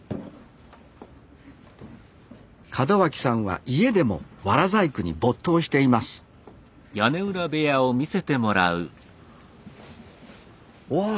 門脇さんは家でもワラ細工に没頭していますうわっ！